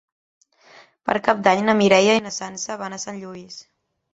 Per Cap d'Any na Mireia i na Sança van a Sant Lluís.